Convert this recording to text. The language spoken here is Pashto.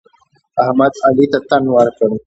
احمد؛ علي ته تن ورکړ.